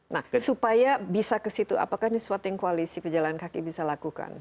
nah supaya bisa ke situ apakah ini sesuatu yang koalisi pejalan kaki bisa lakukan